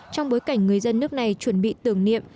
trong bối cảnh người dân nước này chuẩn bị tưởng niệm